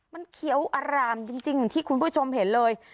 มันเขียวอร่ามจริงอย่างที่คุณผู้ชมเห็นเลย